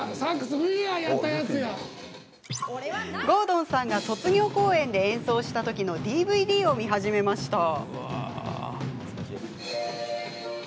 郷敦さんが卒業公演で演奏したときのＤＶＤを見始めました。